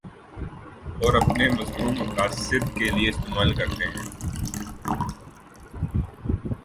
اور اپنے مذموم مقاصد کے لیے استعمال کرتے ہیں